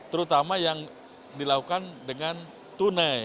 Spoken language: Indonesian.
terutama yang dilakukan dengan tunai